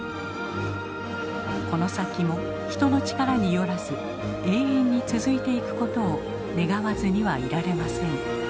この先も人の力によらず永遠に続いていくことを願わずにはいられません。